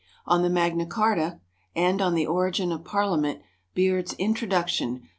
On the Magna Charta, and on the Origin of Parliament, Beard's "Introduction," pp.